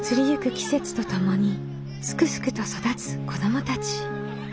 季節とともにすくすくと育つ子どもたち。